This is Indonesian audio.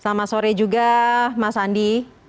selamat sore juga mas andi